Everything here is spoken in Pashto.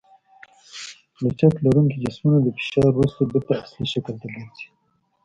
لچک لرونکي جسمونه د فشار وروسته بېرته اصلي شکل ته ګرځي.